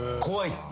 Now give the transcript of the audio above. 怖い。